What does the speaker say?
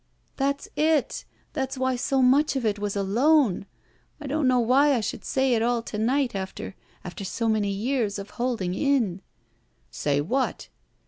"That's it! That's why so much of it was alone. I don't know why I should say it all to night after — after so many years of holding in." "Say what?"